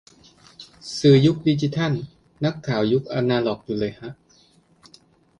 สื่อยุคดิจิทัล นักข่าวยุคอนาล็อกอยู่เลยฮะ